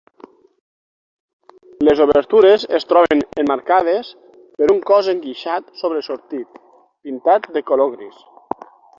Les obertures es troben emmarcades per un cos enguixat sobresortit, pintat de color gris.